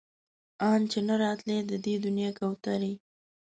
ان چې نه راتلی د دې دنيا کوترې